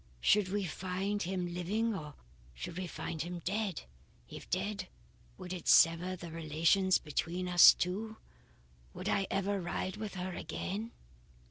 Should we find him living, or should we find him dead? If dead, would it sever the relations between us two? Would I ever ride with her again?"